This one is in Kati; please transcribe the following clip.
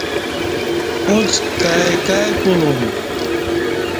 اݩڅ کائی کائی کولوم۔